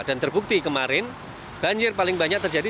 dan terbukti kemarin banjir paling banyak terjadi